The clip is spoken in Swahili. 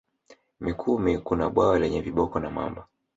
Mikumi kuna bwawa lenye viboko na mamba